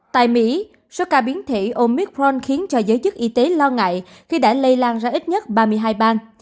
tại mỹ số ca biến thể omicron khiến cho giới chức y tế lo ngại khi đã lây lan ra ít nhất ba mươi hai bang